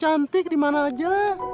cantik di mana aja